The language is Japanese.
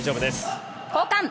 交換！